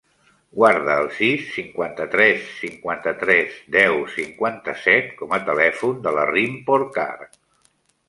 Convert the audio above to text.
Guarda el sis, cinquanta-tres, cinquanta-tres, deu, cinquanta-set com a telèfon de la Rym Porcar.